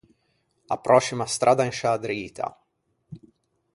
A pròscima stradda in sciâ drita.